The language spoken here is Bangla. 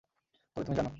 তবে তুমি জানো।